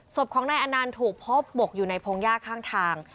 ศพของนายอนันต์ถูกพบหมกอยู่ในพงหญ้าข้างทาง